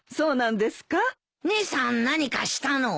姉さん何かしたの？